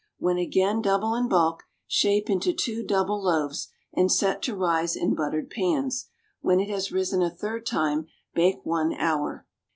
When again double in bulk, shape into two double loaves and set to rise in buttered pans; when it has risen a third time, bake one hour.